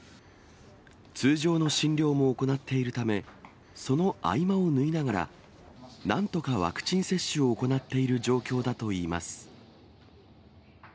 通常の診療も行っているため、その合間を縫いながら、なんとかワクチン接種を行っている状況だといいます。